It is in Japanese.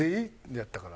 やったから。